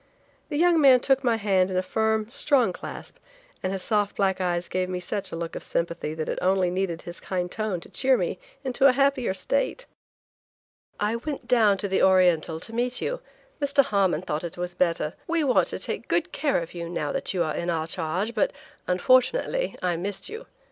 The young man took my hand in a firm, strong clasp, and his soft black eyes gave me such a look of sympathy that it only needed his kind tone to cheer me into a happier state. "I went down to the Oriental to meet you; Mr. Harmon thought it was better. We want to take good care of you now that you are in our charge, but, unfortunately, I missed you.